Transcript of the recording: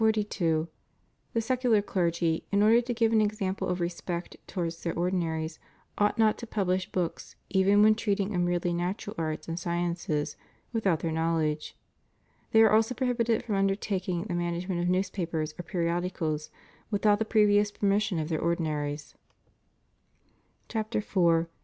The secular clergy, in order to give an example of respect towards their ordinaries, ought not to publish books, even when treating of merely natural arts and sciences, without their knowledge. They are also prohibited from undertaking the manage ment of newspapers or periodicals without the previoug permission of their ordinaries. 420 THE PROHIBITION AND CENSORSHIP OF BOOKS. CHAPTER IV.